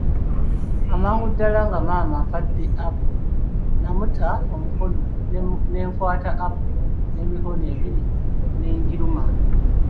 Amangu ddala nga maama ampadde apo, namuta omukono ne nkwata apo n'emikono ebiri ne ngiruma.